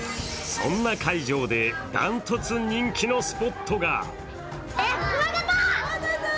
そんな会場で断トツ人気のスポットが。